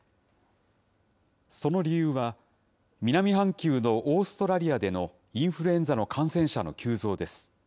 その理由は、南半球のオーストラリアでのインフルエンザの感染者の急増です。